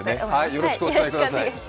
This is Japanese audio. よろしくお伝えください。